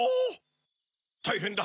たいへんだ！